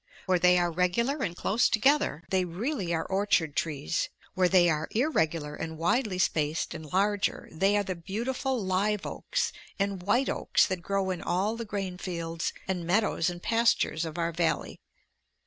Where they are regular and close together, they really are orchard trees; where they are irregular and widely spaced and larger, they are the beautiful live oaks and white oaks that grow in all the grain fields and meadows and pastures of our valley.